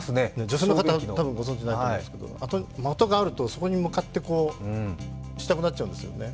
女性の方はたぶんご存じないと思いますけど、的があるとそこに向かってしたくなっちゃうんですよね。